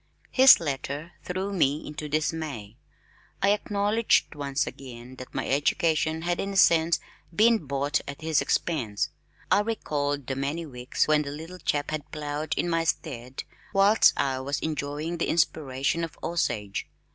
His letter threw me into dismay. I acknowledged once again that my education had in a sense been bought at his expense. I recalled the many weeks when the little chap had plowed in my stead whilst I was enjoying the inspiration of Osage.